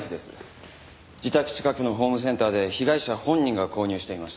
自宅近くのホームセンターで被害者本人が購入していました。